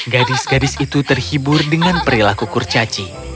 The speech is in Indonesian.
gadis gadis itu terhibur dengan perilaku kurcaci